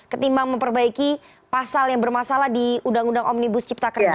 ketimbang memperbaiki pasal yang bermasalah di undang undang omnibus cipta kerja